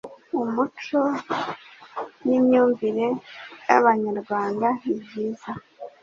umuco n'imyumvire y'Abanyarwanda nibyiza